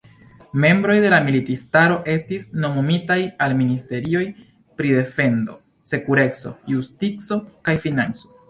Membroj de la militistaro estis nomumitaj al ministerioj pri defendo, sekureco, justico kaj financo.